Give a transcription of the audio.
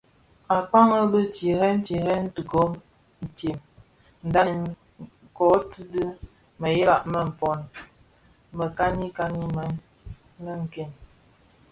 Akpaň bi tirèè tirèè ti gom itsem, ndhanen kōti dhi mëghèla më mpōn, mekanikani “mě nken”.